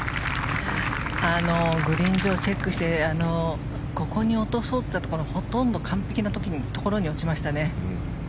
グリーン上チェックしてここに落とそうといったところほとんど完璧なところに落ちましたね。